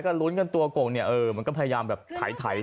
ก็รุ้นกันก็ตัวกล่องเนี่ยก็พยายามแบบถ่ายถ่าย